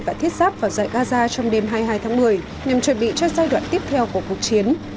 và thiết giáp vào giải gaza trong đêm hai mươi hai tháng một mươi nhằm chuẩn bị cho giai đoạn tiếp theo của cuộc chiến